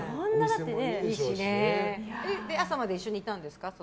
朝まで一緒にいたんですか？